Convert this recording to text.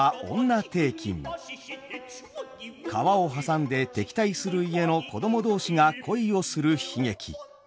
川を挟んで敵対する家の子供同士が恋をする悲劇。